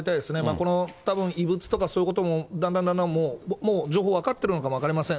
このたぶん、異物とかそういうことも、だんだんだんだんもう、情報分かってるのかも分かりません。